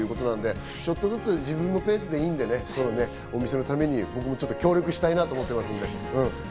ちょっとずつ自分のペースでいいのでお店のために僕もちょっと協力したいと思ってます。